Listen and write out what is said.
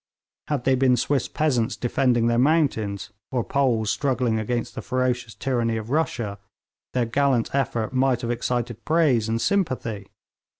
Had they been Swiss peasants defending their mountains, or Poles struggling against the ferocious tyranny of Russia, their gallant effort might have excited praise and sympathy.